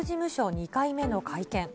２回目の会見。